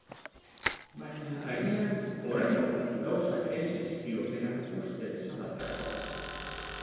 Baina, agian, oraingoan, gauzak ez zaizkio berak uste bezala aterako.